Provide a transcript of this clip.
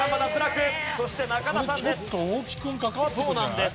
そうなんです。